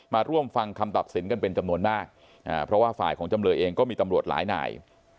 มาร่วมฟังคำตัดสินกันเป็นจำนวนมากเพราะว่าฝ่ายของจำเลยเองก็มีตำรวจหลายนาย